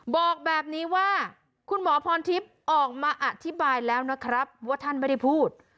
บอกแบบนี้ว่าคุณหมอพรทิพย์ออกมาอธิบายแล้วนะครับว่าท่านไม่ได้พูด